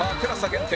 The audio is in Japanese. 限定